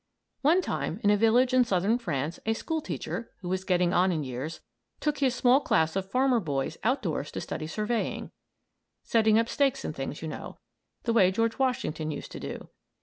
One time, in a village in southern France, a school teacher, who was getting on in years, took his small class of farmer boys outdoors to study surveying setting up stakes and things, you know, the way George Washington used to do.